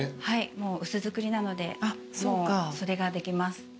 はい薄造りなのでそれができます。